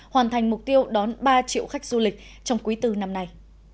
hoàn thành mục tiêu đón ba triệu khách du lịch trong quý bốn năm nay